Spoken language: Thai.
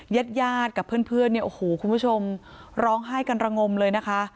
ญาติญาติกับเพื่อนเนี่ยโอ้โหคุณผู้ชมร้องไห้กันระงมเลยนะคะ